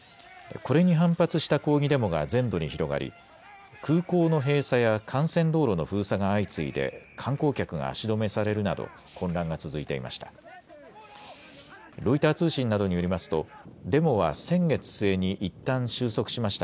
これに反発した抗議デモが全土に広がり、空港の閉鎖や幹線道路の封鎖が相次いで観光客が足止めされるなど混乱が続いていました。